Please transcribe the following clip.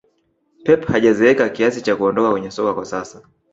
pep hajazeeka kiasi cha kuondoka kwenye soka kwa sasa